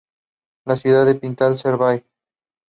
The next day they bring Clive out through the woods to the highway.